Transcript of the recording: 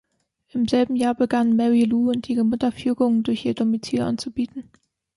Im selben Jahr begannen Mary Lou und ihre Mutter Führungen durch ihr Domizil anzubieten.